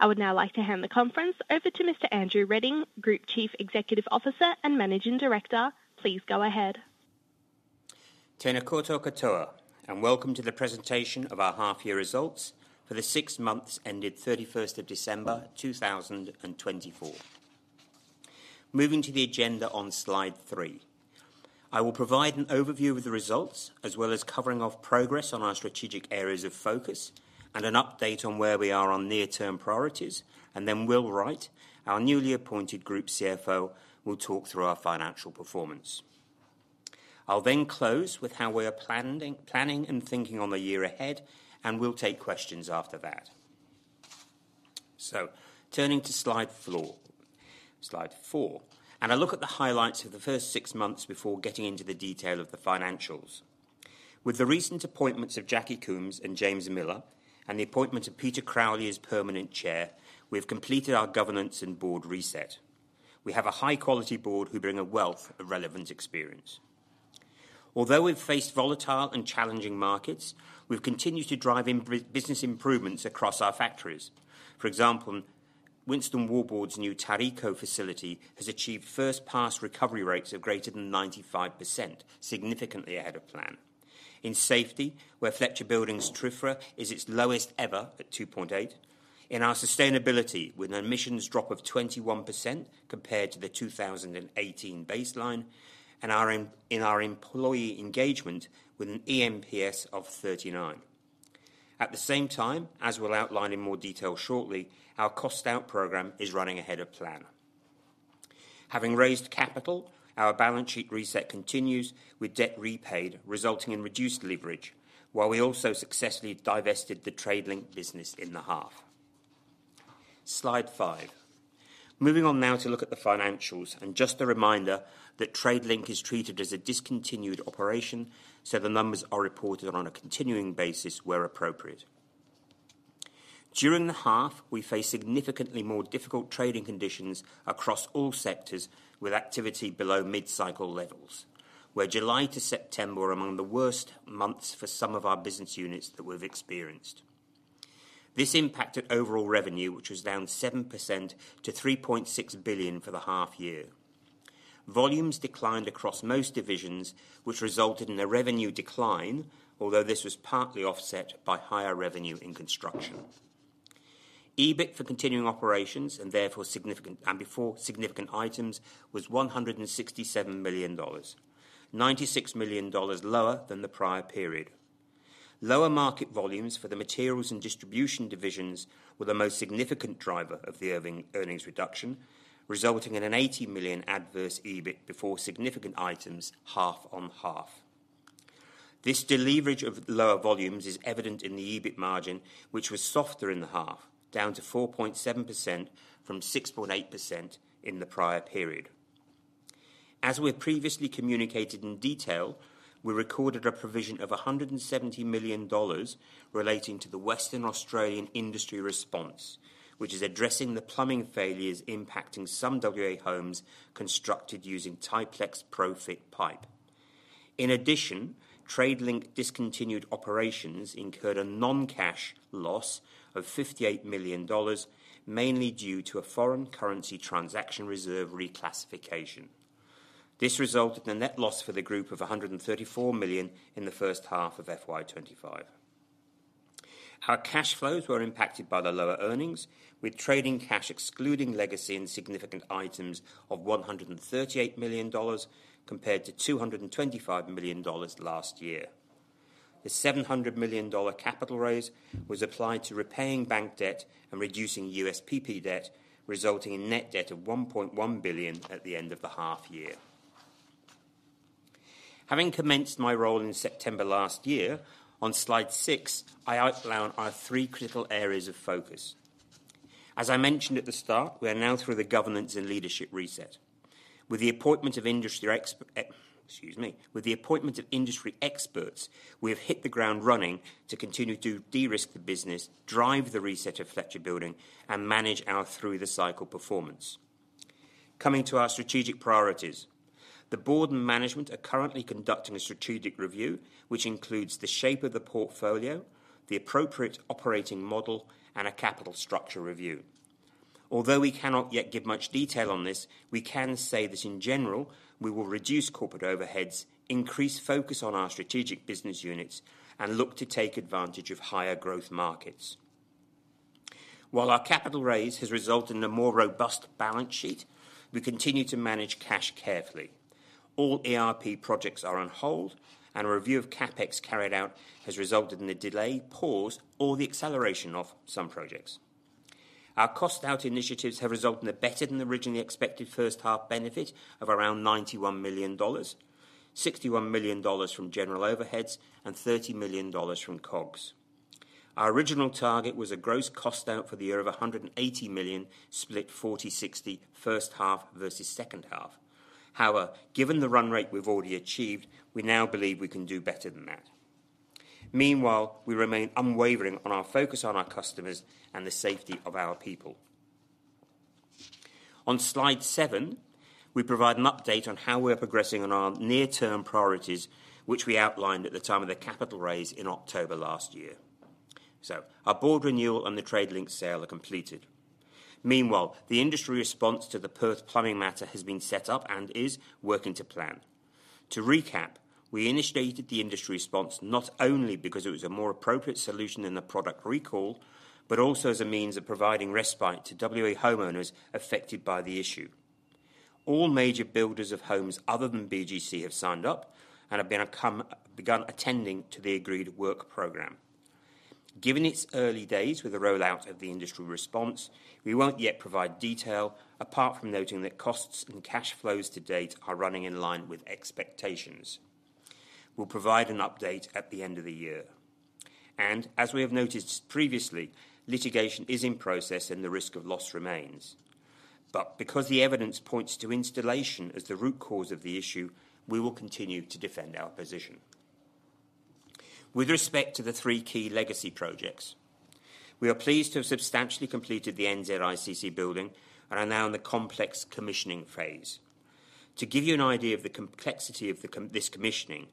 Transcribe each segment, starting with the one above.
I would now like to hand the conference over to Mr. Andrew Reding, Group Chief Executive Officer and Managing Director. Please go ahead. koutou katoa, and welcome to the presentation of our half-year results for the six months ended 31st of December 2024. Moving to the agenda on slide three, I will provide an overview of the results as well as covering off progress on our strategic areas of focus and an update on where we are on near-term priorities, and then Will Wright, our newly appointed Group CFO, will talk through our financial performance. I'll then close with how we are planning and thinking on the year ahead, and we'll take questions after that. Turning to slide four, I look at the highlights of the first six months before getting into the detail of the financials. With the recent appointments of Jackie Coombs and James Miller, and the appointment of Peter Crowley as permanent chair, we've completed our governance and board reset. We have a high-quality board who bring a wealth of relevant experience. Although we've faced volatile and challenging markets, we've continued to drive business improvements across our factories. For example, Winstone Wallboards' new Tauriko facility has achieved first-pass recovery rates of greater than 95%, significantly ahead of plan. In safety, where Fletcher Building's TRIFR is its lowest ever at 2.8, in our sustainability with an emissions drop of 21% compared to the 2018 baseline, and in our employee engagement with an eNPS of 39. At the same time, as we'll outline in more detail shortly, our Cost-Out program is running ahead of plan. Having raised capital, our balance sheet reset continues with debt repaid resulting in reduced leverage, while we also successfully divested the Tradelink business in the half. Slide five. Moving on now to look at the financials, and just a reminder that Tradelink is treated as a discontinued operation, so the numbers are reported on a continuing basis where appropriate. During the half, we faced significantly more difficult trading conditions across all sectors with activity below mid-cycle levels, where July to September were among the worst months for some of our business units that we've experienced. This impacted overall revenue, which was down 7% to $3.6 billion for the half-year. Volumes declined across most divisions, which resulted in a revenue decline, although this was partly offset by higher revenue in Construction. EBIT for continuing operations, and therefore significant items, was $167 million, $96 million lower than the prior period. Lower market volumes for the Materials and Distribution divisions were the most significant driver of the earnings reduction, resulting in an $80 million adverse EBIT before significant items half on half. This deleverage of lower volumes is evident in the EBIT margin, which was softer in the half, down to 4.7% from 6.8% in the prior period. As we've previously communicated in detail, we recorded a provision of $170 million relating to the Western Australian industry response, which is addressing the plumbing failures impacting some WA homes constructed using Iplex Pro-fit pipe. In addition, Tradelink discontinued operations incurred a non-cash loss of $58 million, mainly due to a foreign currency transaction reserve reclassification. This resulted in a net loss for the group of $134 million in the first half of FY25. Our cash flows were impacted by the lower earnings, with trading cash excluding legacy and significant items of $138 million compared to $225 million last year. The $700 million capital raise was applied to repaying bank debt and reducing USPP debt, resulting in net debt of $1.1 billion at the end of the half-year. Having commenced my role in September last year, on slide six, I outline our three critical areas of focus. As I mentioned at the start, we are now through the governance and leadership reset. With the appointment of industry experts, we have hit the ground running to continue to de-risk the business, drive the reset of Fletcher Building, and manage our through-the-cycle performance. Coming to our strategic priorities, the board and management are currently conducting a strategic review, which includes the shape of the portfolio, the appropriate operating model, and a capital structure review. Although we cannot yet give much detail on this, we can say that in general, we will reduce corporate overheads, increase focus on our strategic business units, and look to take advantage of higher growth markets. While our capital raise has resulted in a more robust balance sheet, we continue to manage cash carefully. All ERP projects are on hold, and a review of CapEx carried out has resulted in the delay, pause, or the acceleration of some projects. Our Cost-Out initiatives have resulted in a better than originally expected first-half benefit of around $91 million, $61 million from general overheads, and $30 million from COGS. Our original target was a gross Cost-Out for the year of $180 million, split 40/60, first half versus second half. However, given the run rate we've already achieved, we now believe we can do better than that. Meanwhile, we remain unwavering on our focus on our customers and the safety of our people. On slide seven, we provide an update on how we are progressing on our near-term priorities, which we outlined at the time of the capital raise in October last year. So, our board renewal and the Tradelink sale are completed. Meanwhile, the industry response to the Perth plumbing matter has been set up and is working to plan. To recap, we initiated the industry response not only because it was a more appropriate solution than the product recall, but also as a means of providing respite to WA homeowners affected by the issue. All major builders of homes other than BGC have signed up and have begun attending to the agreed work program. Given its early days with the rollout of the industry response, we won't yet provide detail apart from noting that costs and cash flows to date are running in line with expectations. We'll provide an update at the end of the year, and as we have noticed previously, litigation is in process and the risk of loss remains, but because the evidence points to installation as the root cause of the issue, we will continue to defend our position. With respect to the three key legacy projects, we are pleased to have substantially completed the NZICC building and are now in the complex commissioning phase. To give you an idea of the complexity of this commissioning,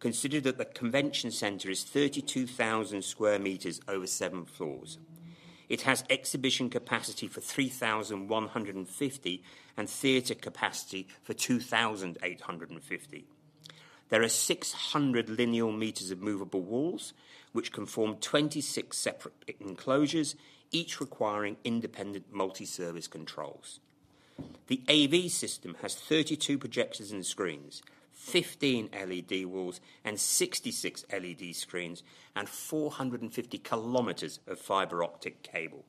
consider that the convention center is 32,000 square meters over seven floors. It has exhibition capacity for 3,150 and theater capacity for 2,850. There are 600 lineal meters of movable walls, which can form 26 separate enclosures, each requiring independent multi-service controls. The AV system has 32 projectors and screens, 15 LED walls and 66 LED screens, and 450 kilometers of fiber optic cable,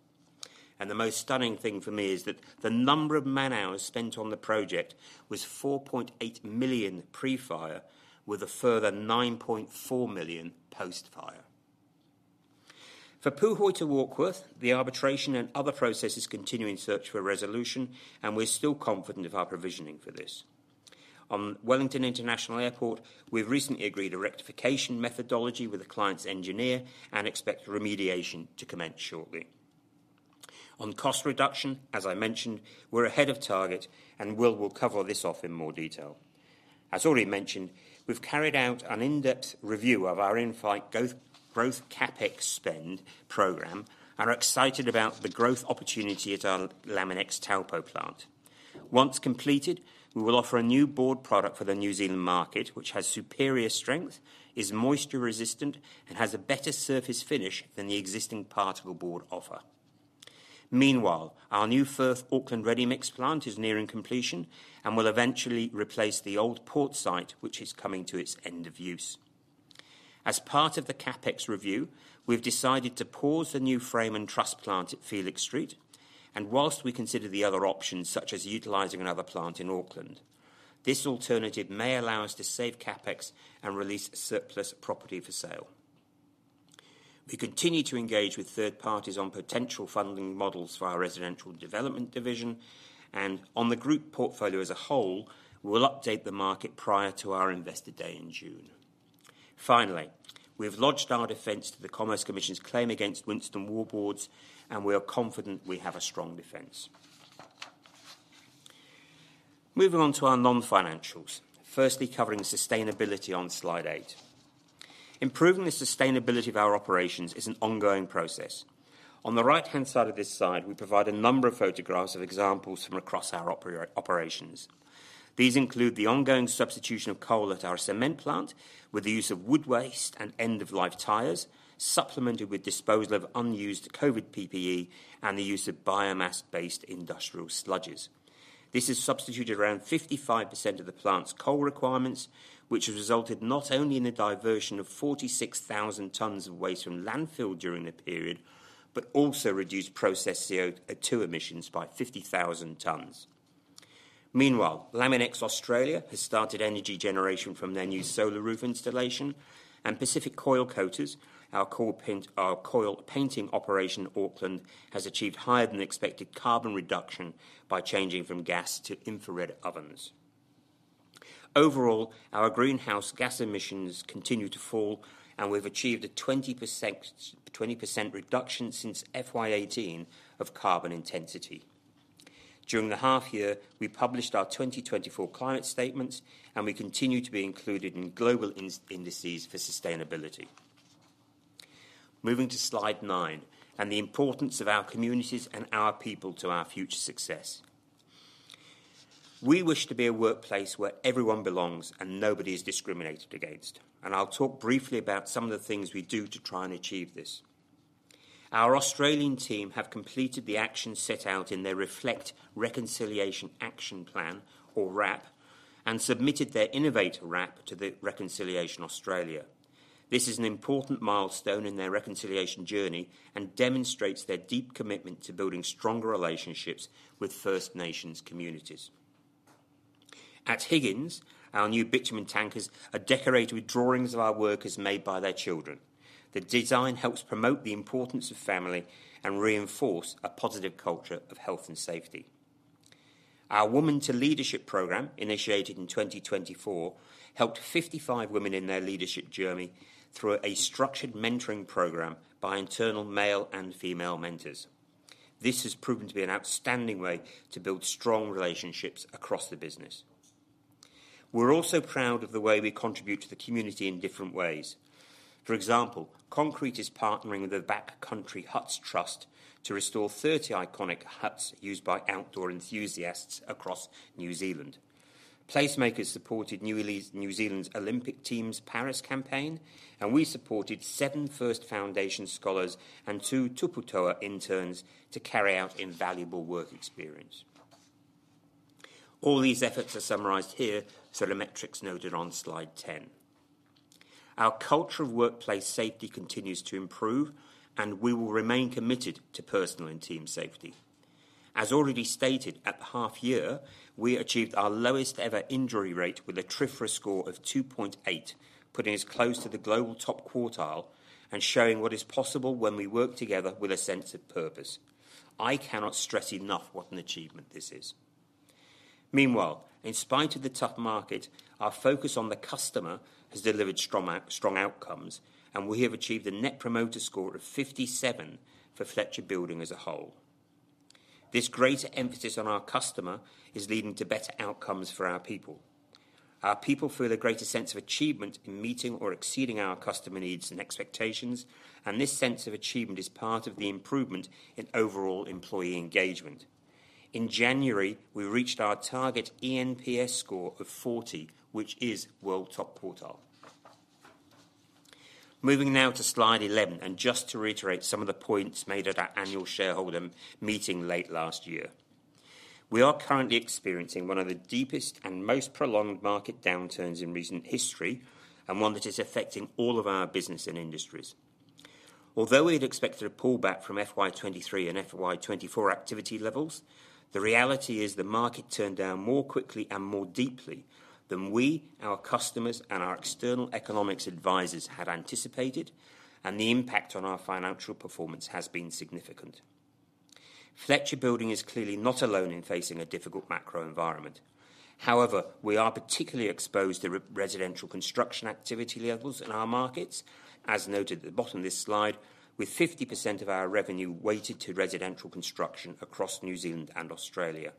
and the most stunning thing for me is that the number of man-hours spent on the project was 4.8 million pre-fire, with a further 9.4 million post-fire. For Puhoi to Warkworth, the arbitration and other processes continue in search for resolution, and we're still confident of our provisioning for this. On Wellington International Airport, we've recently agreed a rectification methodology with the client's engineer and expect remediation to commence shortly. On cost reduction, as I mentioned, we're ahead of target, and Will will cover this off in more detail. As already mentioned, we've carried out an in-depth review of our in-flight growth CapEx spend program and are excited about the growth opportunity at our Laminex Taupo plant. Once completed, we will offer a new board product for the New Zealand market, which has superior strength, is moisture resistant, and has a better surface finish than the existing particle board offer. Meanwhile, our new Firth Auckland Ready Mix plant is nearing completion and will eventually replace the old port site, which is coming to its end of use. As part of the CapEx review, we've decided to pause the new frame and truss plant at Felix Street, and whilst we consider the other options, such as utilizing another plant in Auckland, this alternative may allow us to save CapEx and release surplus property for sale. We continue to engage with third parties on potential funding models for our residential development division, and on the group portfolio as a whole, we'll update the market prior to our investor day in June. Finally, we've lodged our defense to the Commerce Commission's claim against Winstone Wallboards, and we are confident we have a strong defense. Moving on to our non-financials, firstly covering sustainability on slide eight. Improving the sustainability of our operations is an ongoing process. On the right-hand side of this slide, we provide a number of photographs of examples from across our operations. These include the ongoing substitution of coal at our cement plant with the use of wood waste and end-of-life tires, supplemented with disposal of unused COVID PPE and the use of biomass-based industrial sludges. This has substituted around 55% of the plant's coal requirements, which has resulted not only in the diversion of 46,000 tons of waste from landfill during the period, but also reduced process CO2 emissions by 50,000 tons. Meanwhile, Laminex Australia has started energy generation from their new solar roof installation, and Pacific Coilcoaters, our coil painting operation in Auckland, has achieved higher than expected carbon reduction by changing from gas to infrared ovens. Overall, our greenhouse gas emissions continue to fall, and we've achieved a 20% reduction since FY18 of carbon intensity. During the half-year, we published our 2024 climate statements, and we continue to be included in global indices for sustainability. Moving to slide nine and the importance of our communities and our people to our future success. We wish to be a workplace where everyone belongs and nobody is discriminated against, and I'll talk briefly about some of the things we do to try and achieve this. Our Australian team have completed the action set out in their Reflect Reconciliation Action Plan, or RAP, and submitted their Innovate RAP to Reconciliation Australia. This is an important milestone in their reconciliation journey and demonstrates their deep commitment to building stronger relationships with First Nations communities. At Higgins, our new bitumen tankers are decorated with drawings of our workers made by their children. The design helps promote the importance of family and reinforce a positive culture of health and safety. Our Women to Leadership program, initiated in 2024, helped 55 women in their leadership journey through a structured mentoring program by internal male and female mentors. This has proven to be an outstanding way to build strong relationships across the business. We're also proud of the way we contribute to the community in different ways. For example, Concrete is partnering with the Backcountry Trust to restore 30 iconic huts used by outdoor enthusiasts across New Zealand. PlaceMakers supported New Zealand's Olympic Team's Paris campaign, and we supported seven First Foundation scholars and two TupuToa interns to carry out invaluable work experience. All these efforts are summarized here, so the metrics noted on slide 10. Our culture of workplace safety continues to improve, and we will remain committed to personal and team safety. As already stated, at the half-year, we achieved our lowest ever injury rate with a TRIFR score of 2.8, putting us close to the global top quartile and showing what is possible when we work together with a sense of purpose. I cannot stress enough what an achievement this is. Meanwhile, in spite of the tough market, our focus on the customer has delivered strong outcomes, and we have achieved a net promoter score of 57 for Fletcher Building as a whole. This greater emphasis on our customer is leading to better outcomes for our people. Our people feel a greater sense of achievement in meeting or exceeding our customer needs and expectations, and this sense of achievement is part of the improvement in overall employee engagement. In January, we reached our target eNPS score of 40, which is world top quartile. Moving now to slide 11 and just to reiterate some of the points made at our annual shareholder meeting late last year. We are currently experiencing one of the deepest and most prolonged market downturns in recent history and one that is affecting all of our business and industries. Although we had expected a pullback from FY23 and FY24 activity levels, the reality is the market turned down more quickly and more deeply than we, our customers, and our external economics advisors had anticipated, and the impact on our financial performance has been significant. Fletcher Building is clearly not alone in facing a difficult macro environment. However, we are particularly exposed to residential Construction activity levels in our markets, as noted at the bottom of this slide, with 50% of our revenue weighted to residential Construction across New Zealand and Australia.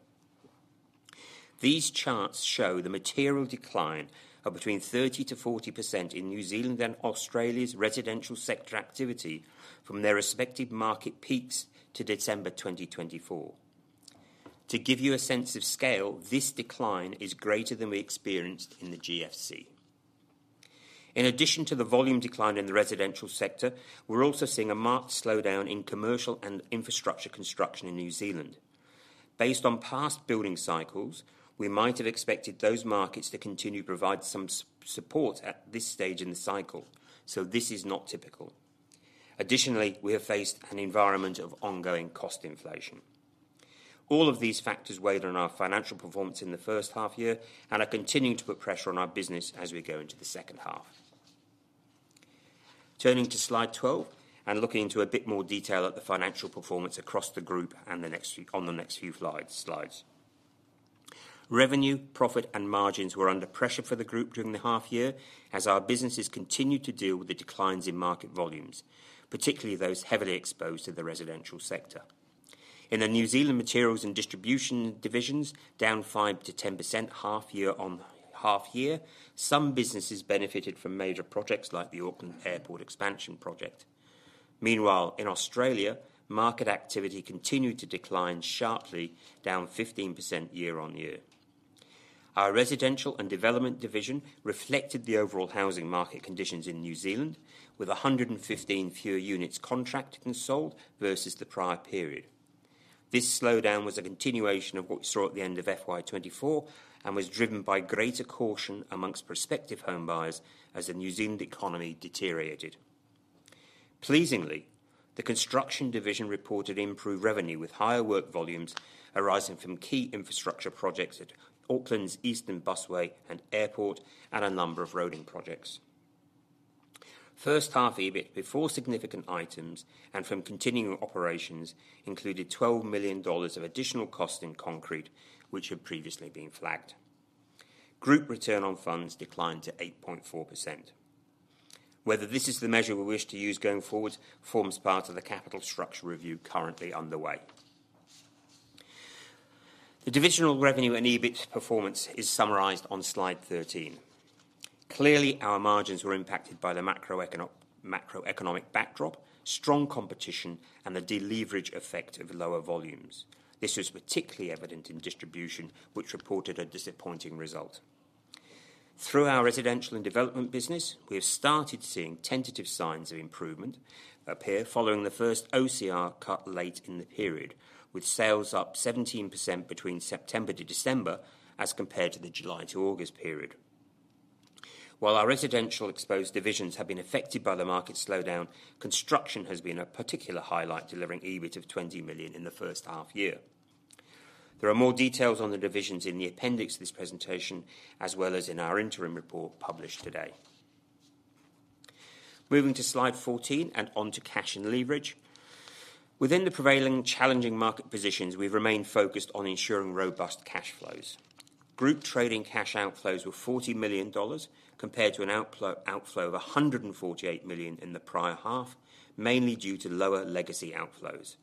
These charts show the material decline of between 30%-40% in New Zealand and Australia's residential sector activity from their respective market peaks to December 2024. To give you a sense of scale, this decline is greater than we experienced in the GFC. In addition to the volume decline in the residential sector, we're also seeing a marked slowdown in commercial and infrastructure Construction in New Zealand. Based on past building cycles, we might have expected those markets to continue to provide some support at this stage in the cycle, so this is not typical. Additionally, we have faced an environment of ongoing cost inflation. All of these factors weighed on our financial performance in the first half year and are continuing to put pressure on our business as we go into the second half. Turning to slide 12 and looking into a bit more detail at the financial performance across the group and the next few slides. Revenue, profit, and margins were under pressure for the group during the half year as our businesses continued to deal with the declines in market volumes, particularly those heavily exposed to the residential sector. In the New Zealand Materials and Distribution divisions, down 5%-10% half year on half year, some businesses benefited from major projects like the Auckland Airport expansion project. Meanwhile, in Australia, market activity continued to decline sharply, down 15% year on year. Our Residential and Development division reflected the overall housing market conditions in New Zealand, with 115 fewer units contracted and sold versus the prior period. This slowdown was a continuation of what we saw at the end of FY24 and was driven by greater caution among prospective home buyers as the New Zealand economy deteriorated. Pleasingly, the Construction division reported improved revenue with higher work volumes arising from key infrastructure projects at Auckland's Eastern Busway and Auckland Airport and a number of roading projects. First half revenue, before significant items and from continuing operations, included $12 million of additional cost in Concrete, which had previously been flagged. Group return on funds declined to 8.4%. Whether this is the measure we wish to use going forward forms part of the capital structure review currently underway. The divisional revenue and EBIT performance is summarized on slide 13. Clearly, our margins were impacted by the macroeconomic backdrop, strong competition, and the deleverage effect of lower volumes. This was particularly evident in distribution, which reported a disappointing result. Through our Residential and Development business, we have started seeing tentative signs of improvement appear following the first OCR cut late in the period, with sales up 17% between September to December as compared to the July to August period. While our residential exposed divisions have been affected by the market slowdown, Construction has been a particular highlight, delivering EBIT of $20 million in the first half year. There are more details on the divisions in the appendix to this presentation, as well as in our interim report published today. Moving to slide 14 and on to cash and leverage. Within the prevailing challenging market positions, we've remained focused on ensuring robust cash flows. Group trading cash outflows were $40 million compared to an outflow of $148 million in the prior half, mainly due to lower legacy outflows.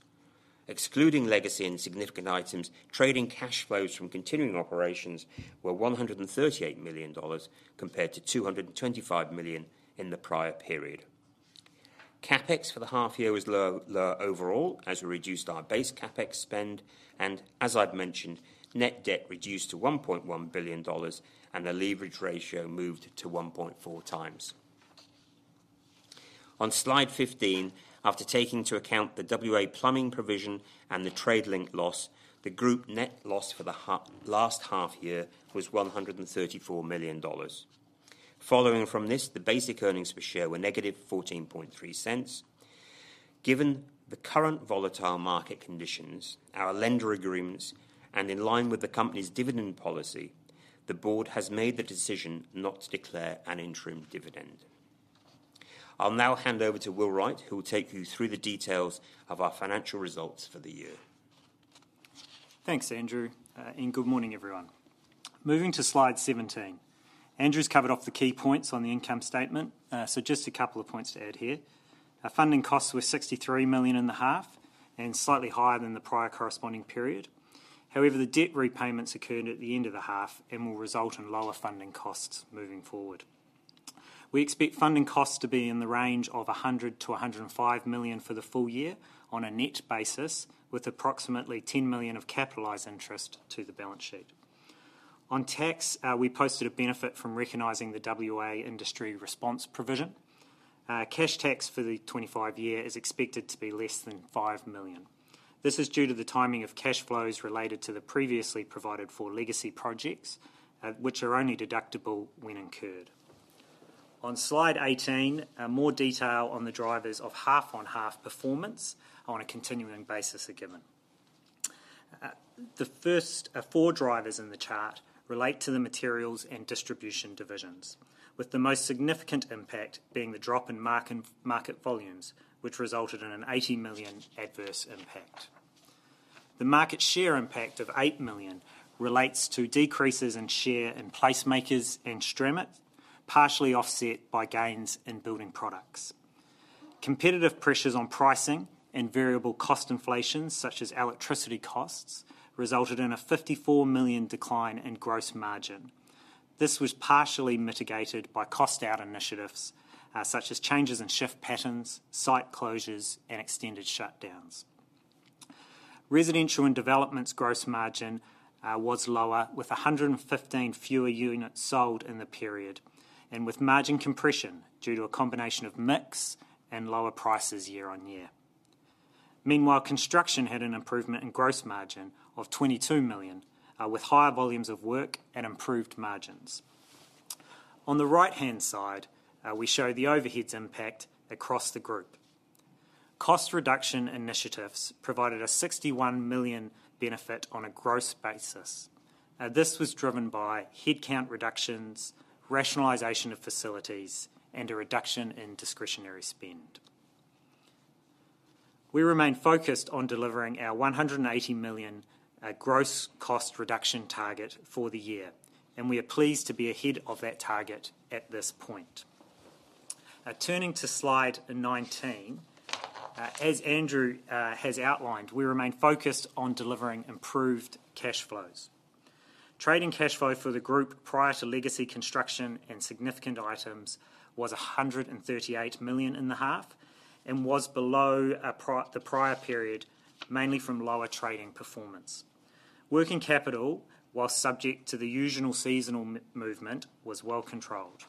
Excluding legacy and significant items, trading cash flows from continuing operations were $138 million compared to $225 million in the prior period. CapEx for the half year was lower overall as we reduced our base CapEx spend and, as I've mentioned, net debt reduced to $1.1 billion and the leverage ratio moved to 1.4 times. On slide 15, after taking into account the WA plumbing provision and the Tradelink loss, the group net loss for the last half year was $134 million. Following from this, the basic earnings per share were negative $0.143. Given the current volatile market conditions, our lender agreements, and in line with the company's dividend policy, the board has made the decision not to declare an interim dividend. I'll now hand over to Will Wright, who will take you through the details of our financial results for the year. Thanks, Andrew. Good morning, everyone. Moving to slide 17. Andrew's covered off the key points on the income statement, so just a couple of points to add here. Our funding costs were $63.5 million and slightly higher than the prior corresponding period. However, the debt repayments occurred at the end of the half and will result in lower funding costs moving forward. We expect funding costs to be in the range of $100-105 million for the full year on a net basis, with approximately $10 million of capitalized interest to the balance sheet. On tax, we posted a benefit from recognizing the WA industry response provision. Cash tax for the 2025 year is expected to be less than $5 million. This is due to the timing of cash flows related to the previously provided for legacy projects, which are only deductible when incurred. On slide 18, more detail on the drivers of half-on-half performance on a continuing basis are given. The first four drivers in the chart relate to the Materials and Distribution divisions, with the most significant impact being the drop in market volumes, which resulted in an $80 million adverse impact. The market share impact of $8 million relates to decreases in share in PlaceMakers and Stramit, partially offset by gains in Building Products. Competitive pressures on pricing and variable cost inflations, such as electricity costs, resulted in a $54 million decline in gross margin. This was partially mitigated by Cost-Out initiatives such as changes in shift patterns, site closures, and extended shutdowns. Residential and Development's gross margin was lower, with 115 fewer units sold in the period and with margin compression due to a combination of mix and lower prices year on year. Meanwhile, Construction had an improvement in gross margin of $22 million, with higher volumes of work and improved margins. On the right-hand side, we show the overheads impact across the group. Cost reduction initiatives provided a $61 million benefit on a gross basis. This was driven by headcount reductions, rationalization of facilities, and a reduction in discretionary spend. We remain focused on delivering our $180 million gross cost reduction target for the year, and we are pleased to be ahead of that target at this point. Turning to slide 19, as Andrew has outlined, we remain focused on delivering improved cash flows. Trading cash flow for the group prior to legacy Construction and significant items was $138.5 million and was below the prior period, mainly from lower trading performance. Working capital, while subject to the usual seasonal movement, was well controlled.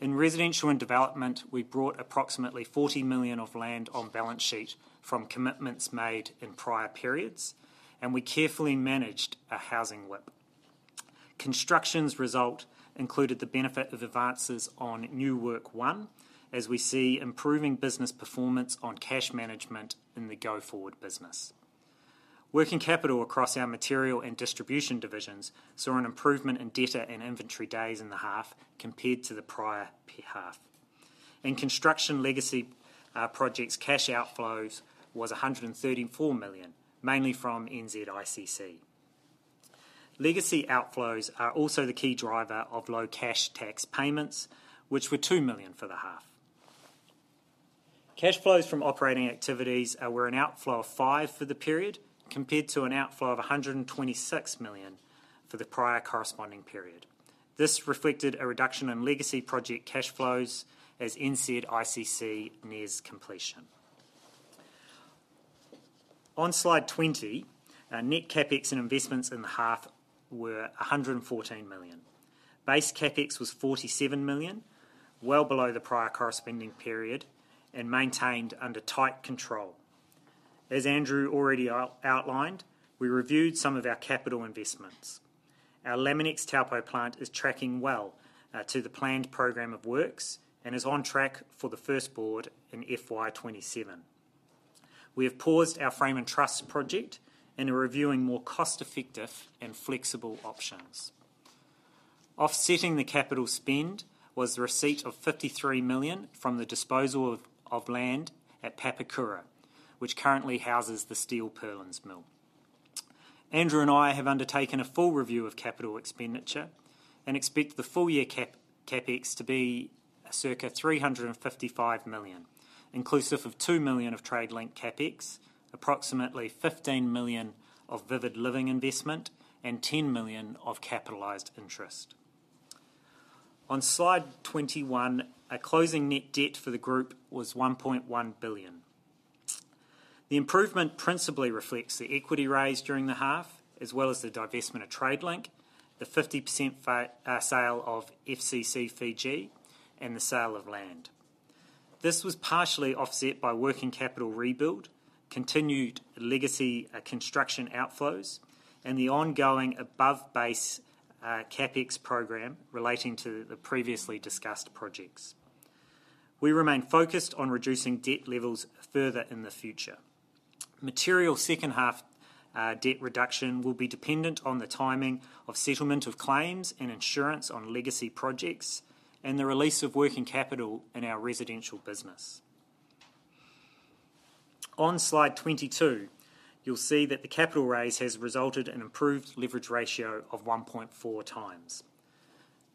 In Residential and Development, we brought approximately $40 million of land on balance sheet from commitments made in prior periods, and we carefully managed a housing WIP. Construction's result included the benefit of advances on new work won, as we see improving business performance on cash management in the go-forward business. Working capital across our material and distribution divisions saw an improvement in debtor and inventory days in the half compared to the prior half. In Construction, legacy projects' cash outflows were $134 million, mainly from NZICC. Legacy outflows are also the key driver of low cash tax payments, which were $2 million for the half. Cash flows from operating activities were an outflow of $5 million for the period compared to an outflow of $126 million for the prior corresponding period. This reflected a reduction in legacy project cash flows as NZICC nears completion. On slide 20, net CapEx and investments in the half were 114 million. Base CapEx was 47 million, well below the prior corresponding period, and maintained under tight control. As Andrew already outlined, we reviewed some of our capital investments. Our Laminex Taupo plant is tracking well to the planned program of works and is on track for the first board in FY27. We have paused our frame and truss project and are reviewing more cost-effective and flexible options. Offsetting the capital spend was the receipt of 53 million from the disposal of land at Papakura, which currently houses the steel purlins mill. Andrew and I have undertaken a full review of capital expenditure and expect the full year CapEx to be circa 355 million, inclusive of two million of Tradelink CapEx, approximately 15 million of Vivid Living investment, and 10 million of capitalized interest. On slide 21, a closing net debt for the group was $1.1 billion. The improvement principally reflects the equity raised during the half, as well as the divestment of Tradelink, the 50% sale of FCC Fiji, and the sale of land. This was partially offset by working capital rebuild, continued legacy Construction outflows, and the ongoing above base CapEx program relating to the previously discussed projects. We remain focused on reducing debt levels further in the future. Material second half debt reduction will be dependent on the timing of settlement of claims and insurance on legacy projects and the release of working capital in our residential business. On slide 22, you'll see that the capital raise has resulted in an improved leverage ratio of 1.4 times.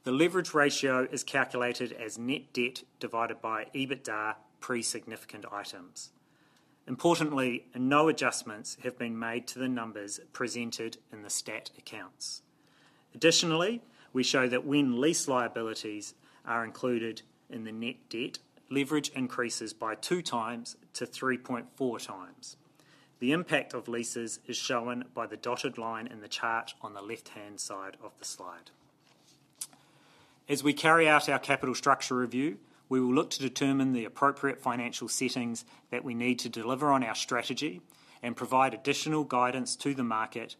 The leverage ratio is calculated as net debt divided by EBITDA pre-significant items. Importantly, no adjustments have been made to the numbers presented in the stat accounts. Additionally, we show that when lease liabilities are included in the net debt, leverage increases by two times to 3.4 times. The impact of leases is shown by the dotted line in the chart on the left-hand side of the slide. As we carry out our capital structure review, we will look to determine the appropriate financial settings that we need to deliver on our strategy and provide additional guidance to the market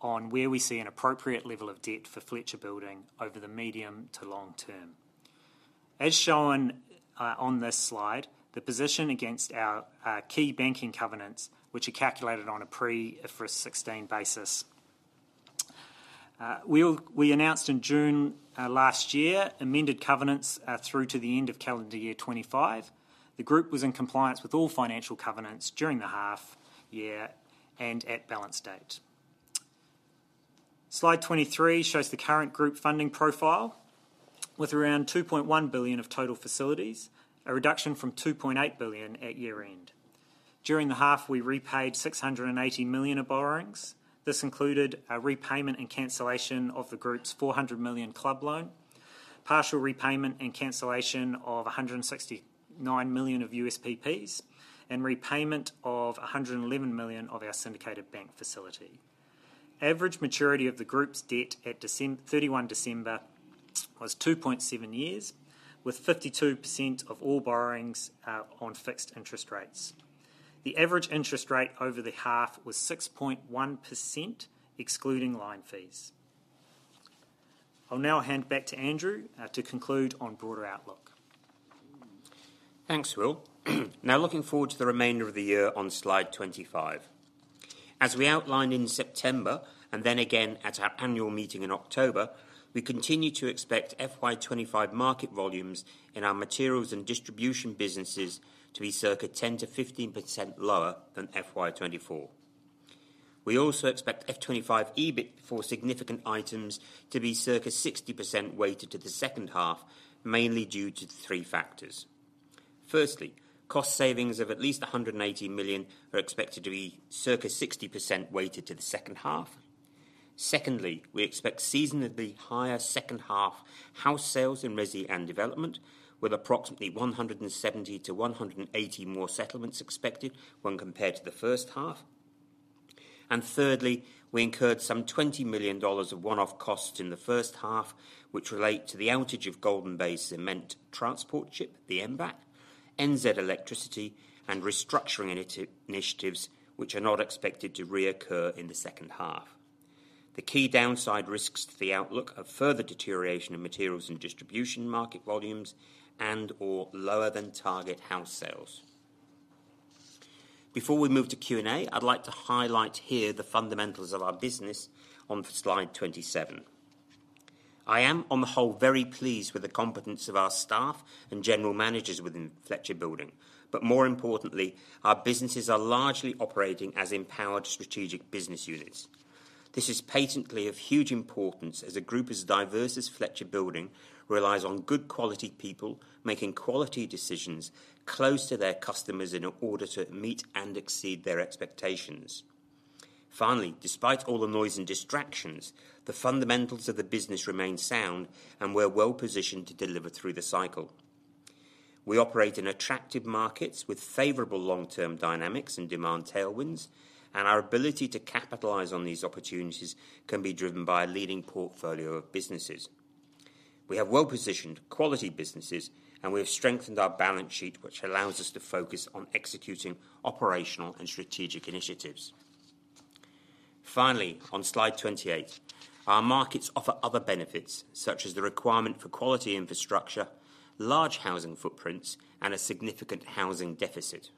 on where we see an appropriate level of debt for Fletcher Building over the medium to long term. As shown on this slide, the position against our key banking covenants, which are calculated on a pre-IFRS 16 basis. We announced in June last year amended covenants through to the end of calendar year 25. The group was in compliance with all financial covenants during the half year and at balance date. Slide 23 shows the current group funding profile with around $2.1 billion of total facilities, a reduction from $2.8 billion at year end. During the half, we repaid $680 million of borrowings. This included a repayment and cancellation of the group's $400 million club loan, partial repayment and cancellation of $169 million of USPPs, and repayment of $111 million of our syndicated bank facility. Average maturity of the group's debt at 31 December was 2.7 years, with 52% of all borrowings on fixed interest rates. The average interest rate over the half was 6.1%, excluding line fees. I'll now hand back to Andrew to conclude on broader outlook. Thanks, Will. Now looking forward to the remainder of the year on slide 25. As we outlined in September and then again at our annual meeting in October, we continue to expect FY25 market volumes in our Materials and Distribution businesses to be circa 10%-15% lower than FY24. We also expect FY25 EBIT for significant items to be circa 60% weighted to the second half, mainly due to three factors. Firstly, cost savings of at least 180 million are expected to be circa 60% weighted to the second half. Secondly, we expect seasonally higher second half house sales in Resi and Development, with approximately 170-180 more settlements expected when compared to the first half. Thirdly, we incurred some $20 million of one-off costs in the first half, which relate to the outage of Golden Bay's cement transport ship, the MV Aotearoa, NZ electricity, and restructuring initiatives, which are not expected to reoccur in the second half. The key downside risks to the outlook are further deterioration of Materials and Distribution market volumes and/or lower than target house sales. Before we move to Q&A, I'd like to highlight here the fundamentals of our business on slide 27. I am, on the whole, very pleased with the competence of our staff and general managers within Fletcher Building, but more importantly, our businesses are largely operating as empowered strategic business units. This is patently of huge importance as a group as diverse as Fletcher Building relies on good quality people making quality decisions close to their customers in order to meet and exceed their expectations. Finally, despite all the noise and distractions, the fundamentals of the business remain sound and we're well positioned to deliver through the cycle. We operate in attractive markets with favorable long-term dynamics and demand tailwinds, and our ability to capitalize on these opportunities can be driven by a leading portfolio of businesses. We have well-positioned quality businesses, and we have strengthened our balance sheet, which allows us to focus on executing operational and strategic initiatives. Finally, on slide 28, our markets offer other benefits, such as the requirement for quality infrastructure, large housing footprints, and a significant housing deficit.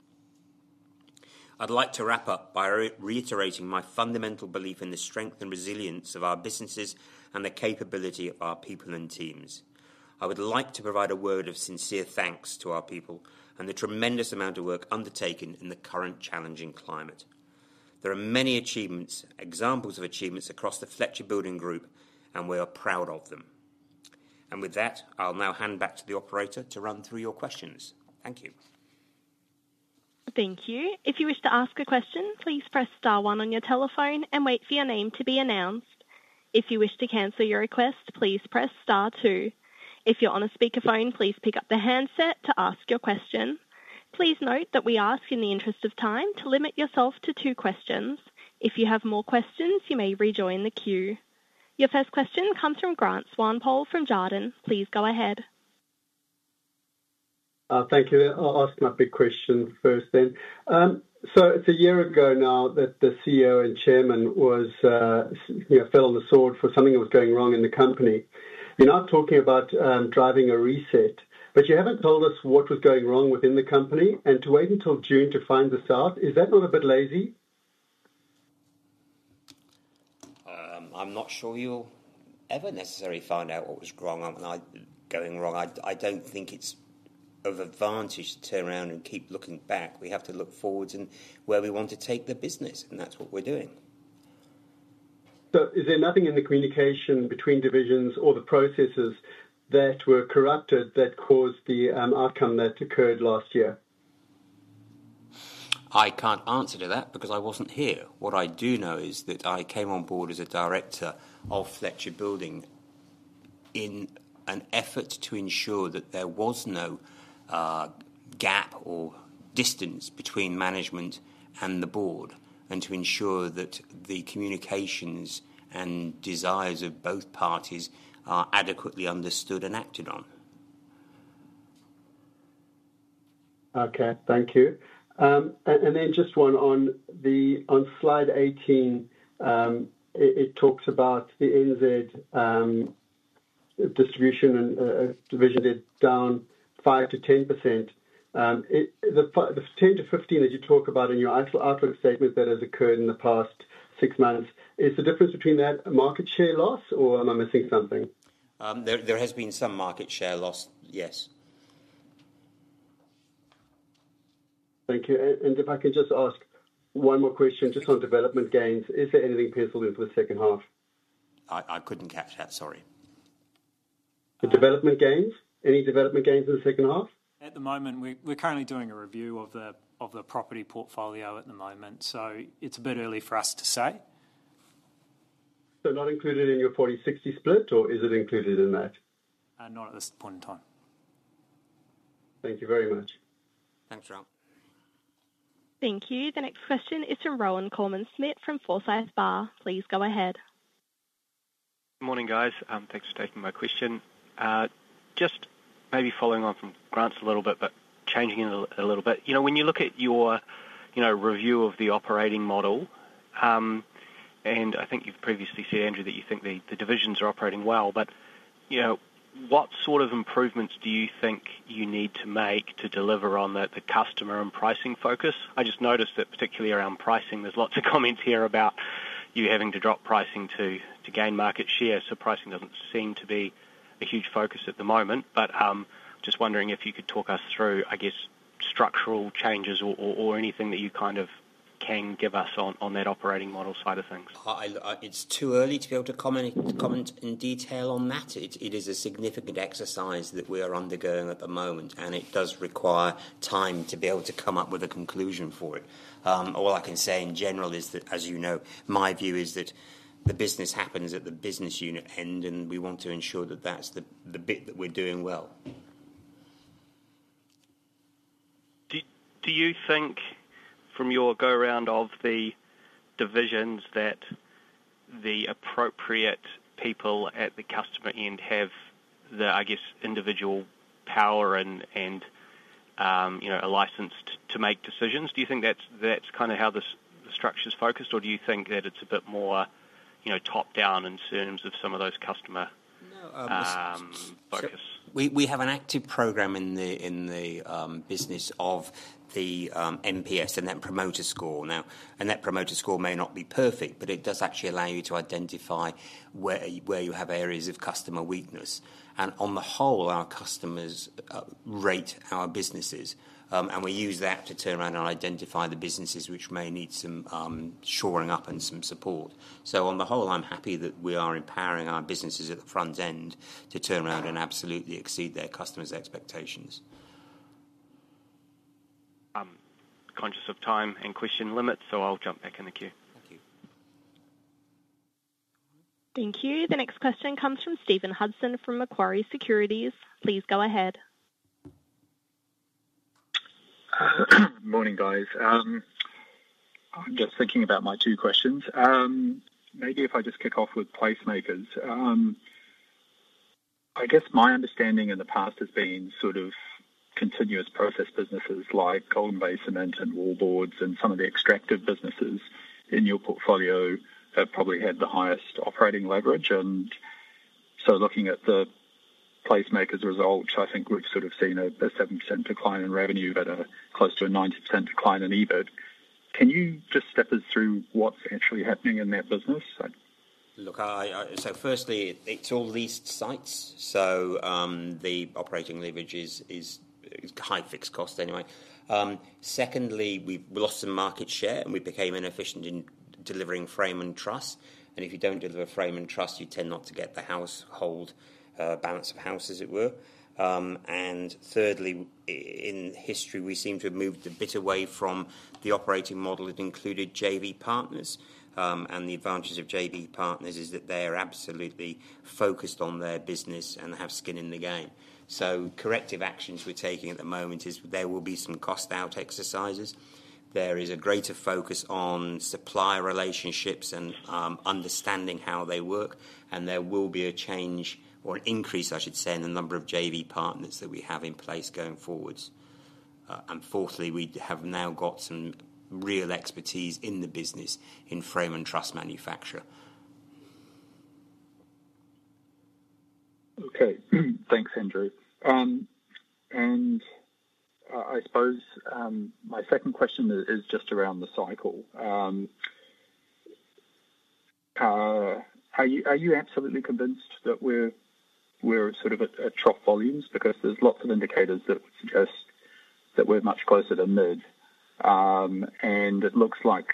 I'd like to wrap up by reiterating my fundamental belief in the strength and resilience of our businesses and the capability of our people and teams. I would like to provide a word of sincere thanks to our people and the tremendous amount of work undertaken in the current challenging climate. There are many achievements, examples of achievements across the Fletcher Building group, and we are proud of them. And with that, I'll now hand back to the operator to run through your questions. Thank you. Thank you. If you wish to ask a question, please press star one on your telephone and wait for your name to be announced. If you wish to cancel your request, please press star two. If you're on a speakerphone, please pick up the handset to ask your question. Please note that we ask in the interest of time to limit yourself to two questions. If you have more questions, you may rejoin the queue. Your first question comes from Grant Swanepoel from Jarden. Please go ahead. Thank you. I'll ask my big question first then. So it's a year ago now that the CEO and chairman fell on the sword for something that was going wrong in the company. You're not talking about driving a reset, but you haven't told us what was going wrong within the company and to wait until June to find this out. Is that not a bit lazy? I'm not sure you'll ever necessarily find out what was going wrong. I don't think it's of advantage to turn around and keep looking back. We have to look forwards and where we want to take the business, and that's what we're doing. But is there nothing in the communication between divisions or the processes that were corrupted that caused the outcome that occurred last year? I can't answer to that because I wasn't here. What I do know is that I came on board as a director of Fletcher Building in an effort to ensure that there was no gap or distance between management and the board and to ensure that the communications and desires of both parties are adequately understood and acted on. Okay. Thank you. And then just one on slide 18, it talks about the NZ distribution and division. It's down 5%-10%. The 10%-15% that you talk about in your outlook statement that has occurred in the past six months, is the difference between that and a market share loss or am I missing something? There has been some market share loss, yes. Thank you. And if I can just ask one more question just on development gains, is there anything penciled into the second half? I couldn't catch that, sorry. The development gains? Any development gains in the second half? At the moment, we're currently doing a review of the property portfolio at the moment, so it's a bit early for us to say. So not included in your 40/60 split, or is it included in that? Not at this point in time. Thank you very much. Thanks, Rob. Thank you. The next question is from Rohan Koreman-Smit from Forsyth Barr. Please go ahead. Good morning, guys. Thanks for taking my question. Just maybe following on from Grant's a little bit, but changing it a little bit. When you look at your review of the operating model, and I think you've previously said, Andrew, that you think the divisions are operating well, but what sort of improvements do you think you need to make to deliver on the customer and pricing focus? I just noticed that particularly around pricing, there's lots of comments here about you having to drop pricing to gain market share. So pricing doesn't seem to be a huge focus at the moment, but just wondering if you could talk us through, I guess, structural changes or anything that you kind of can give us on that operating model side of things. It's too early to be able to comment in detail on that. It is a significant exercise that we are undergoing at the moment, and it does require time to be able to come up with a conclusion for it. All I can say in general is that, as you know, my view is that the business happens at the business unit end, and we want to ensure that that's the bit that we're doing well. Do you think from your go-around of the divisions that the appropriate people at the customer end have the, I guess, individual power and a license to make decisions? Do you think that's kind of how the structure's focused, or do you think that it's a bit more top-down in terms of some of those customer focus? We have an active program in the business of the NPS and that promoter score. Now, and that promoter score may not be perfect, but it does actually allow you to identify where you have areas of customer weakness. And on the whole, our customers rate our businesses, and we use that to turn around and identify the businesses which may need some shoring up and some support. So on the whole, I'm happy that we are empowering our businesses at the front end to turn around and absolutely exceed their customers' expectations. I'm conscious of time and question limits, so I'll jump back in the queue. Thank you. Thank you. The next question comes from Stephen Hudson from Macquarie Securities. Please go ahead. Morning, guys. I'm just thinking about my two questions. Maybe if I just kick off with PlaceMakers. I guess my understanding in the past has been sort of continuous process businesses like Golden Bay Cement and Wallboards and some of the extractive businesses in your portfolio have probably had the highest operating leverage. And so looking at the PlaceMakers' results, I think we've sort of seen a 7% decline in revenue, but close to a 90% decline in EBIT. Can you just step us through what's actually happening in that business? Look, so firstly, it's all leased sites, so the operating leverage is high fixed cost anyway. Secondly, we've lost some market share, and we became inefficient in delivering frame and truss. And if you don't deliver frame and truss, you tend not to get the household balance of houses, as it were. And thirdly, in history, we seem to have moved a bit away from the operating model that included JV partners. And the advantage of JV partners is that they are absolutely focused on their business and have skin in the game. So corrective actions we're taking at the moment is there will be some Cost-Out exercises. There is a greater focus on supplier relationships and understanding how they work, and there will be a change or an increase, I should say, in the number of JV partners that we have in place going forwards. And fourthly, we have now got some real expertise in the business in frame and truss manufacture. Okay. Thanks, Andrew. I suppose my second question is just around the cycle. Are you absolutely convinced that we're sort of at trough volumes because there's lots of indicators that suggest that we're much closer to mid? It looks like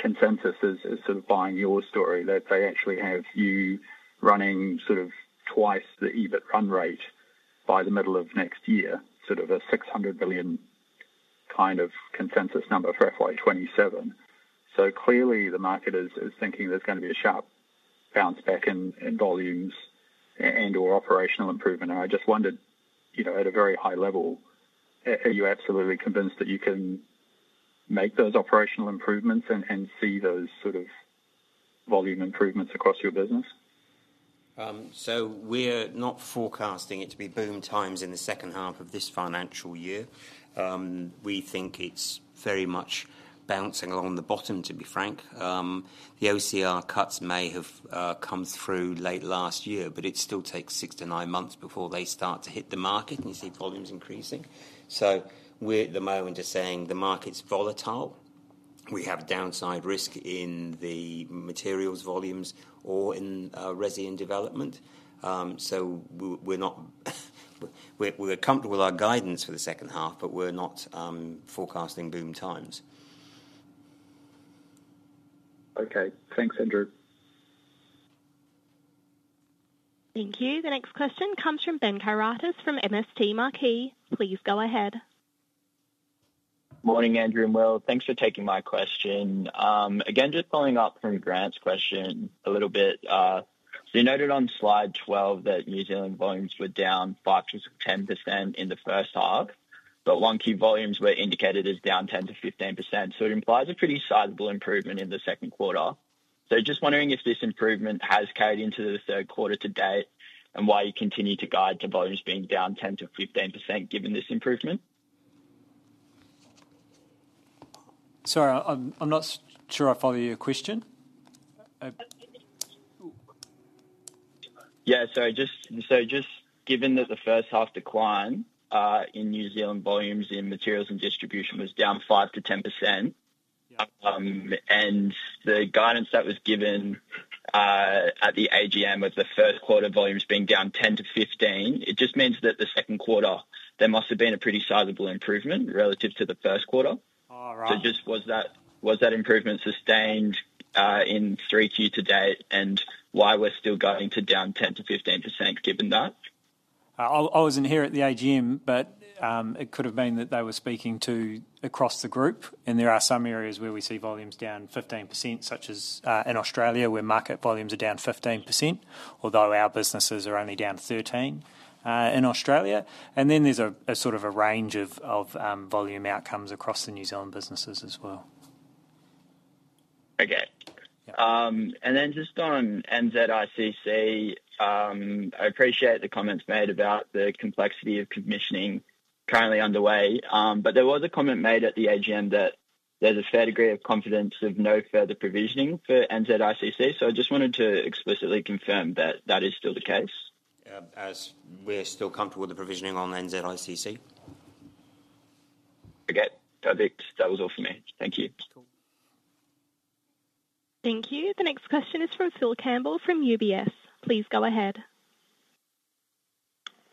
consensus is sort of buying your story, that they actually have you running sort of twice the EBIT run rate by the middle of next year, sort of an $600 million kind of consensus number for FY27. Clearly, the market is thinking there's going to be a sharp bounce back in volumes and/or operational improvement. I just wondered, at a very high level, are you absolutely convinced that you can make those operational improvements and see those sort of volume improvements across your business? We're not forecasting it to be boom times in the second half of this financial year. We think it's very much bouncing along the bottom, to be frank. The OCR cuts may have come through late last year, but it still takes six to nine months before they start to hit the market and you see volumes increasing. So we're at the moment just saying the market's volatile. We have downside risk in the materials volumes or in Resi and Development. So we're comfortable with our guidance for the second half, but we're not forecasting boom times. Okay. Thanks, Andrew. Thank you. The next question comes from Ben Karadimas from MST Marquee. Please go ahead. Morning, Andrew and Will. Thanks for taking my question. Again, just following up from Grant's question a little bit. So you noted on slide 12 that New Zealand volumes were down 5-10% in the first half, but wood volumes were indicated as down 10-15%. So it implies a pretty sizable improvement in the second quarter. So just wondering if this improvement has carried into the third quarter to date and why you continue to guide to volumes being down 10%-15% given this improvement. Sorry, I'm not sure I follow your question. Yeah. So just given that the first half decline in New Zealand volumes in Materials and Distribution was down 5%-10%, and the guidance that was given at the AGM of the first quarter volumes being down 10%-15%, it just means that the second quarter, there must have been a pretty sizable improvement relative to the first quarter. So just was that improvement sustained in third quarter to date and why we're still going to down 10%-15% given that? I wasn't here at the AGM, but it could have been that they were speaking to across the group, and there are some areas where we see volumes down 15%, such as in Australia where market volumes are down 15%, although our businesses are only down 13% in Australia, and then there's a sort of a range of volume outcomes across the New Zealand businesses as well. Okay, and then just on NZICC, I appreciate the comments made about the complexity of commissioning currently underway, but there was a comment made at the AGM that there's a fair degree of confidence of no further provisioning for NZICC, so I just wanted to explicitly confirm that that is still the case. Yeah, as we're still comfortable with the provisioning on NZICC. Okay. That was all for me. Thank you. Thank you. The next question is from Phil Campbell from UBS. Please go ahead.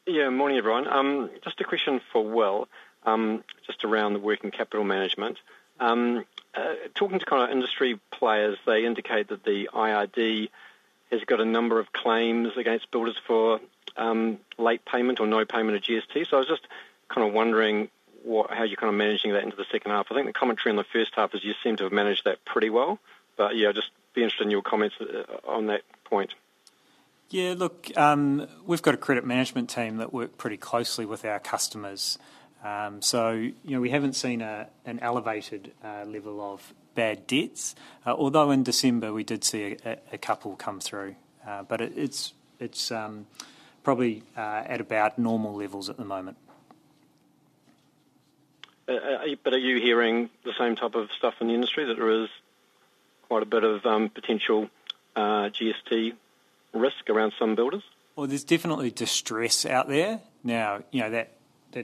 Yeah, morning, everyone. Just a question for Will, just around the working capital management. Talking to kind of industry players, they indicate that the IRD has got a number of claims against builders for late payment or no payment of GST. So I was just kind of wondering how you're kind of managing that into the second half. I think the commentary in the first half is you seem to have managed that pretty well, but yeah, just be interested in your comments on that point. Yeah, look, we've got a credit management team that work pretty closely with our customers. So we haven't seen an elevated level of bad debts, although in December we did see a couple come through, but it's probably at about normal levels at the moment. But are you hearing the same type of stuff in the industry that there is quite a bit of potential GST risk around some builders? Well, there's definitely distress out there. Now, that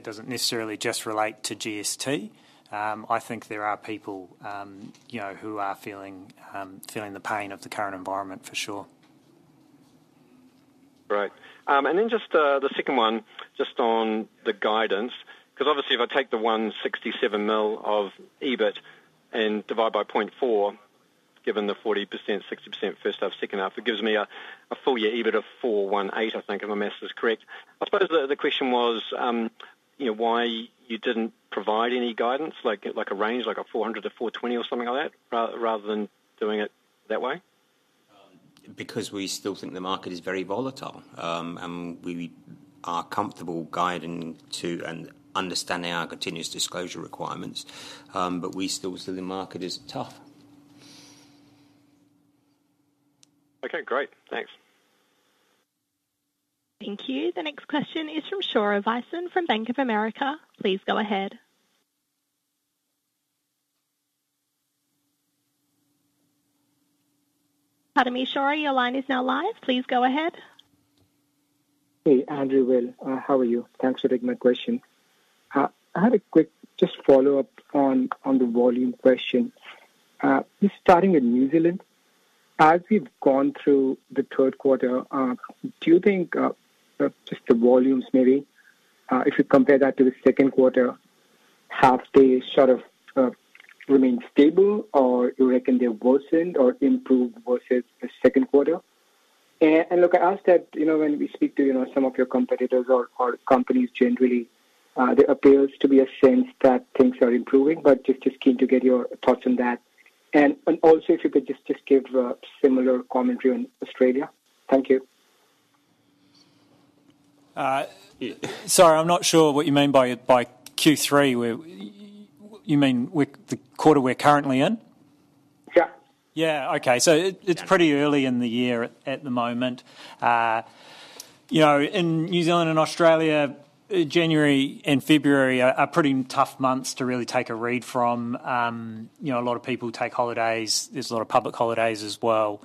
doesn't necessarily just relate to GST. I think there are people who are feeling the pain of the current environment for sure. Right. And then just the second one, just on the guidance, because obviously if I take the $167 million of EBIT and divide by 0.4, given the 40%, 60% first half, second half, it gives me a full year EBIT of $418 million, I think, if I'm asked this correct. I suppose the question was why you didn't provide any guidance, like a range, like a $400-420 million or something like that, rather than doing it that way? Because we still think the market is very volatile, and we are comfortable guiding to and understanding our continuous disclosure requirements, but we still see the market as tough. Okay, great. Thanks. Thank you. The next question is from Saurav Vishnupad from Bank of America. Please go ahead. Pardon me, Saurav, your line is now live. Please go ahead. Hey, Andrew, Will, how are you? Thanks for taking my question. I had a quick just follow-up on the volume question. Just starting with New Zealand, as we've gone through the third quarter, do you think just the volumes maybe, if you compare that to the second quarter, have they sort of remained stable, or do you reckon they've worsened or improved versus the second quarter? And look, I ask that when we speak to some of your competitors or companies generally, there appears to be a sense that things are improving, but just keen to get your thoughts on that. And also, if you could just give a similar commentary on Australia. Thank you. Sorry, I'm not sure what you mean by Q3. You mean the quarter we're currently in? Yeah. Yeah. Okay. So it's pretty early in the year at the moment. In New Zealand and Australia, January and February are pretty tough months to really take a read from. A lot of people take holidays. There's a lot of public holidays as well.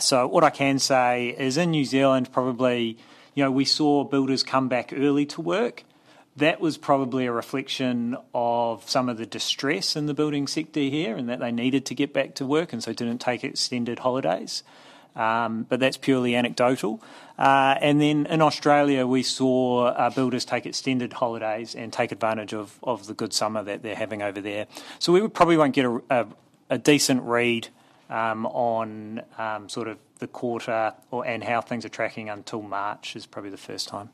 So what I can say is in New Zealand, probably we saw builders come back early to work. That was probably a reflection of some of the distress in the building sector here and that they needed to get back to work and so didn't take extended holidays, but that's purely anecdotal, and then in Australia, we saw builders take extended holidays and take advantage of the good summer that they're having over there, so we probably won't get a decent read on sort of the quarter and how things are tracking until March is probably the first time.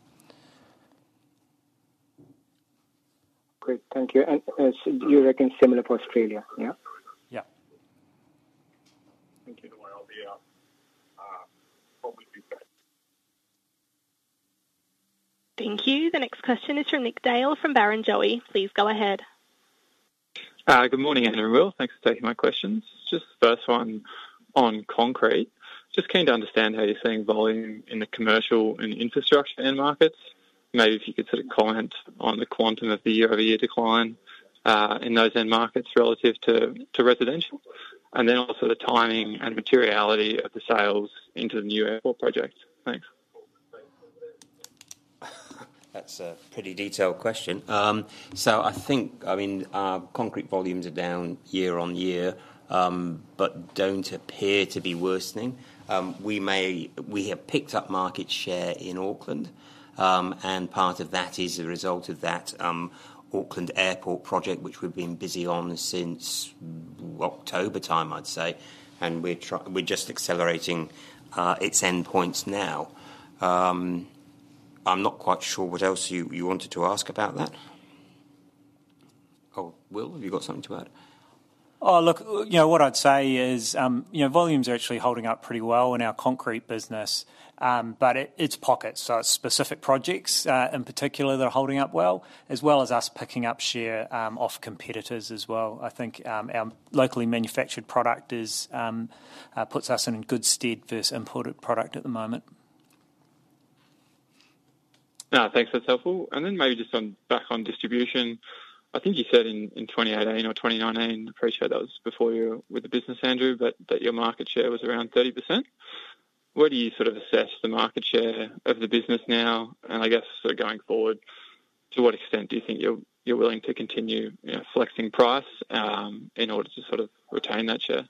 Great. Thank you. And do you reckon similar for Australia? Yeah? Yeah. Thank you. Thank you. The next question is from Nick Dale from Barrenjoey. Please go ahead. Good morning, Andrew and Will. Thanks for taking my questions. Just the first one on Concrete. Just keen to understand how you're seeing volume in the commercial and infrastructure end markets. Maybe if you could sort of comment on the quantum of the year-over-year decline in those end markets relative to residential. And then also the timing and materiality of the sales into the new airport project. Thanks. That's a pretty detailed question. So I think, I mean, concrete volumes are down year on year, but don't appear to be worsening. We have picked up market share in Auckland, and part of that is a result of that Auckland Airport project, which we've been busy on since October time, I'd say, and we're just accelerating its endpoints now. I'm not quite sure what else you wanted to ask about that. Oh, Will, have you got something to add? Oh, look, what I'd say is volumes are actually holding up pretty well in our Concrete business, but it's pockets. Specific projects in particular that are holding up well, as well as us picking up share off competitors as well. I think our locally manufactured product puts us in a good stead versus imported product at the moment. Thanks. That's helpful. And then maybe just back on distribution. I think you said in 2018 or 2019. I appreciate that was before you were with the business, Andrew, but your market share was around 30%. Where do you sort of assess the market share of the business now? And I guess going forward, to what extent do you think you're willing to continue flexing price in order to sort of retain that share? Yeah.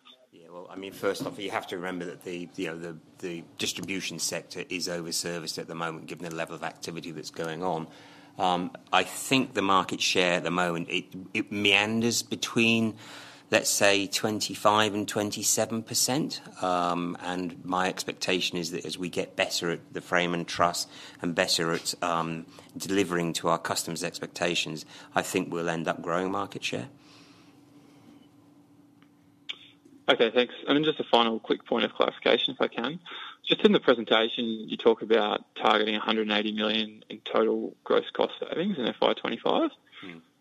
Well, I mean, first off, you have to remember that the distribution sector is overserviced at the moment given the level of activity that's going on. I think the market share at the moment, it meanders between, let's say, 25% and 27%. And my expectation is that as we get better at the frame and truss and better at delivering to our customers' expectations, I think we'll end up growing market share. Okay. Thanks. And then just a final quick point of clarification, if I can. Just in the presentation, you talk about targeting $180 million in total gross cost savings in FY25.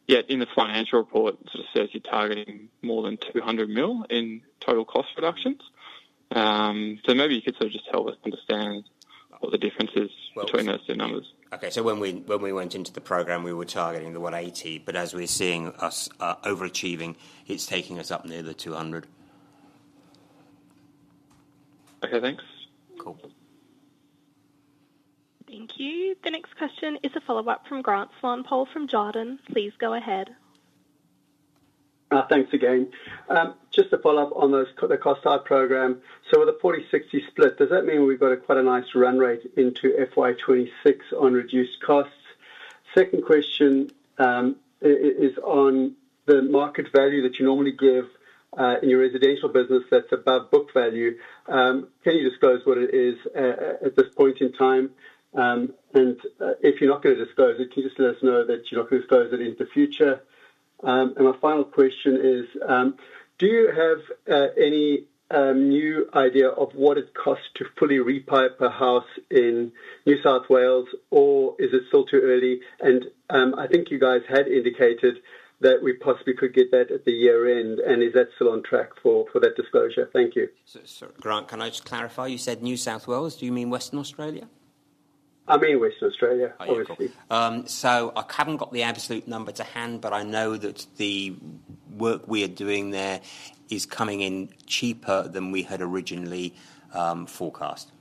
Yet in the financial report, it sort of says you're targeting more than $200 million in total cost reductions. So maybe you could sort of just help us understand what the difference is between those two numbers. Okay. So when we went into the program, we were targeting the 180, but as we're seeing us overachieving, it's taking us up near the 200. Okay. Thanks. Cool. Thank you. The next question is a follow-up from Grant Swanepoel from Jarden. Please go ahead. Thanks again. Just to follow up on the Cost-Out program. So with a 40/60 split, does that mean we've got quite a nice run rate into FY26 on reduced costs? Second question is on the market value that you normally give in your residential business that's above book value. Can you disclose what it is at this point in time? And if you're not going to disclose it, can you just let us know that you're not going to disclose it into the future? And my final question is, do you have any new idea of what it costs to fully repipe a house in New South Wales, or is it still too early? And I think you guys had indicated that we possibly could get that at the year end. And is that still on track for that disclosure? Thank you. So Grant, can I just clarify? You said New South Wales. Do you mean Western Australia? I mean Western Australia, obviously. So I haven't got the absolute number to hand, but I know that the work we are doing there is coming in cheaper than we had originally forecast.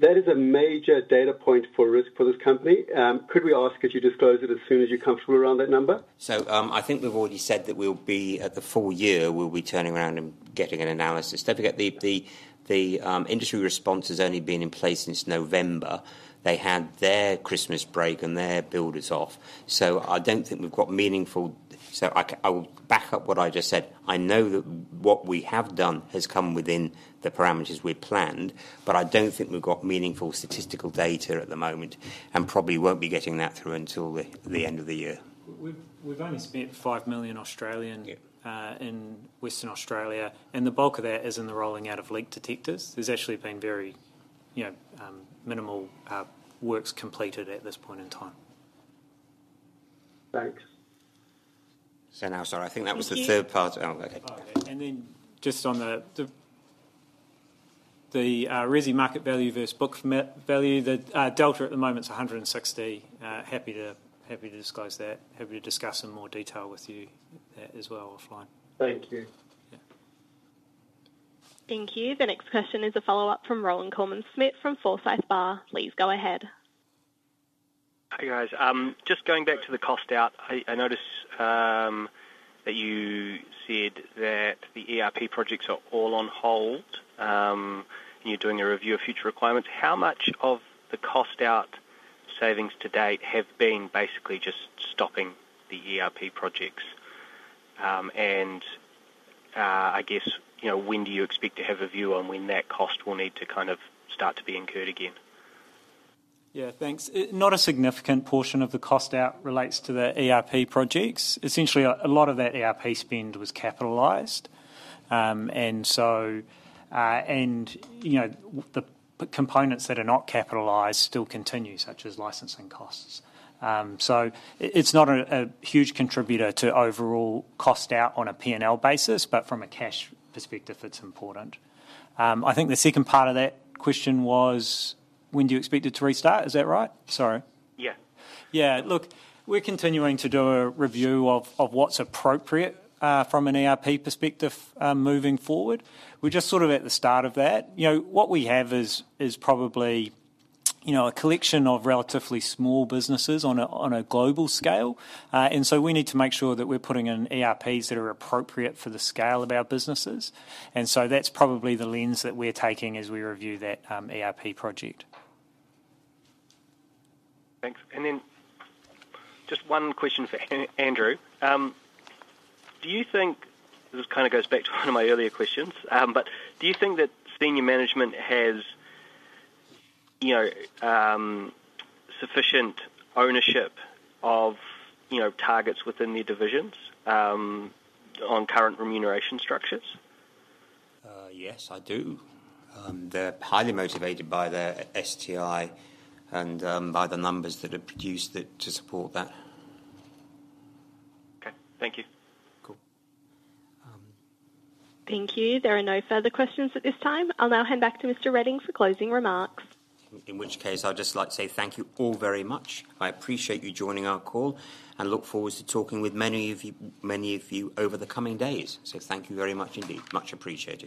That is a major data point for risk for this company. Could we ask if you disclose it as soon as you're comfortable around that number? So I think we've already said that we'll be at the full year, we'll be turning around and getting an analysis. Don't forget, the industry response has only been in place since November. They had their Christmas break and their builders off. So I don't think we've got meaningful. So I will back up what I just said. I know that what we have done has come within the parameters we've planned, but I don't think we've got meaningful statistical data at the moment and probably won't be getting that through until the end of the year. We've only spent 5 million in Western Australia, and the bulk of that is in the rolling out of leak detectors. There's actually been very minimal works completed at this point in time. Thanks. So now, sorry, I think that was the third part. Okay. And then just on the Resi market value versus book value, the delta at the moment is 160. Happy to disclose that. Happy to discuss in more detail with you as well offline. Thank you. Thank you. The next question is a follow-up from Rohan Koreman-Smit from Forsyth Barr. Please go ahead. Hi guys. Just going back to the cost out, I noticed that you said that the ERP projects are all on hold and you're doing a review of future requirements. How much of the cost out savings to date have been basically just stopping the ERP projects? And I guess, when do you expect to have a view on when that cost will need to kind of start to be incurred again? Yeah, thanks. Not a significant portion of the cost out relates to the ERP projects. Essentially, a lot of that ERP spend was capitalized. The components that are not capitalized still continue, such as licensing costs. So it's not a huge contributor to overall cost out on a P&L basis, but from a cash perspective, it's important. I think the second part of that question was, when do you expect it to restart? Is that right? Sorry. Yeah. Yeah. Look, we're continuing to do a review of what's appropriate from an ERP perspective moving forward. We're just sort of at the start of that. What we have is probably a collection of relatively small businesses on a global scale. And so we need to make sure that we're putting in ERPs that are appropriate for the scale of our businesses. And so that's probably the lens that we're taking as we review that ERP project. Thanks. And then just one question for Andrew. Do you think, this kind of goes back to one of my earlier questions, but do you think that senior management has sufficient ownership of targets within their divisions on current remuneration structures? Yes, I do. They're highly motivated by their STI and by the numbers that are produced to support that. Okay. Thank you. Cool. Thank you. There are no further questions at this time. I'll now hand back to Mr. Reding for closing remarks. In which case, I'd just like to say thank you all very much. I appreciate you joining our call and look forward to talking with many of you over the coming days. So thank you very much indeed. Much appreciated.